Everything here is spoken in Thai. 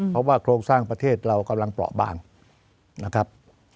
เพราะว่าโครงสร้างประเทศเรากำลังเปราะบางนะครับ